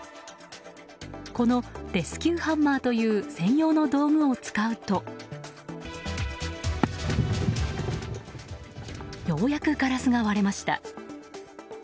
このレスキューハンマーという専用の道具を使うとようやくガラスが割れました。